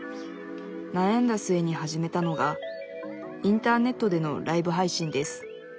なやんだ末に始めたのがインターネットでのライブ配信です